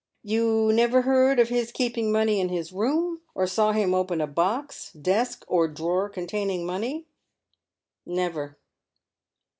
" You never heard of his keeping money in his room, or saw him open a box, desk, or drawer containing money ?"" Never."